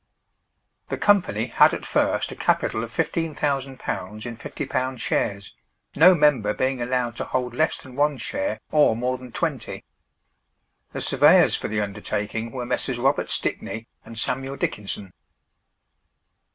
The company had at first a capital of £15,000 in £50 shares, no member being allowed to hold less than one share or more than 20. The surveyors for the undertaking were Messrs. Robert Stickney and Samuel Dickinson.